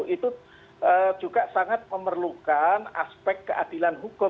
itu juga sangat memerlukan aspek keadilan hukum